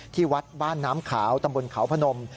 ที่วัดบ้านน้ำขาวตำบลเขาพนม